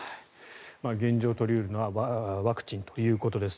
現状、取り得るのはワクチンということです。